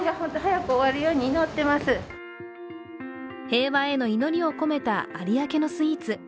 平和への祈りを込めた、ありあけのスイーツ。